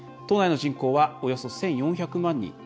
都内の人口はおよそ１４００万人。